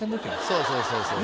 そうそうそうそう。